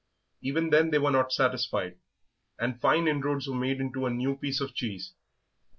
Even then they were not satisfied, and fine inroads were made into a new piece of cheese.